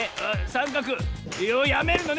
さんかくやめるのね。